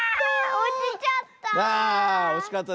おちちゃった。